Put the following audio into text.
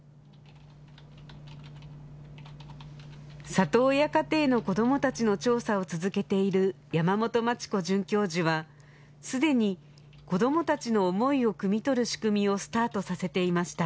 里親家庭の子どもたちの調査を続けている山本真知子准教授はすでに子どもたちの思いをくみ取る仕組みをスタートさせていました